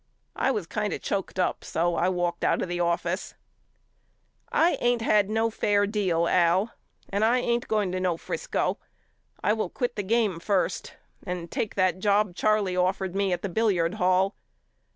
I was kind of choked up so I walked out of the office. I ain't had no fair deal Al and I ain't going to no Frisco. I will quit the game first and take that job Charley offered me at the billiard hall.